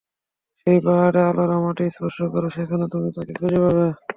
যেই পাহাড়ে আলোরা মাটি স্পর্শ করে, সেখানে তুমি তাকে খুঁজে পাবে।